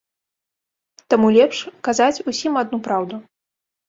Таму лепш казаць усім адну праўду.